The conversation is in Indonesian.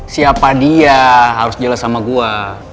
siapa dia harus jelas sama gue